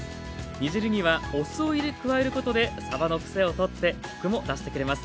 煮汁にはお酢を加えることでさばのクセを取ってコクも出してくれます。